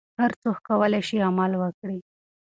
هر څوک کولای شي عمل وکړي.